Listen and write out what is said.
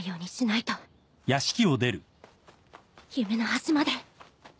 夢の端まで